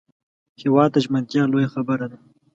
هېواد ته ژمنتیا لویه خبره ده